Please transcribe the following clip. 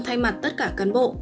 thay mặt tất cả cán bộ